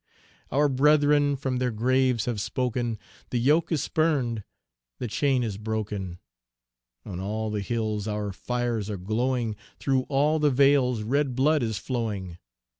Our brethren from their graves have spoken, The yoke is spurned, the chain is broken; On all the hills our fires are glowing, Through all the vales red blood is flowing!